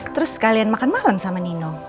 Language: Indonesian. terus sekalian makan malam sama nino